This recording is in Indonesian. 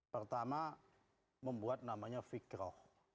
pertama membuat namanya fikroh